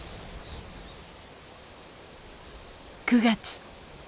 ９月。